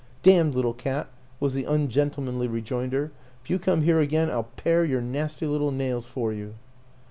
"Damned little cat!" was the ungentlemanly rejoinder. " If you come here again I'll pare your nasty little nails for you."